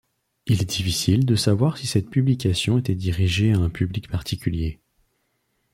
Il est difficile de savoir si cette publication était dirigée à un public particulier.